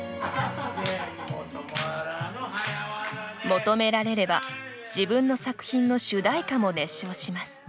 求められれば、自分の作品の主題歌も熱唱します。